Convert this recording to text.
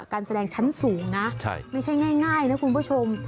การแสดงชั้นสูงนะไม่ใช่ง่ายนะคุณผู้ชม